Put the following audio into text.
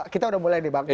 kita sudah mulai di bangkit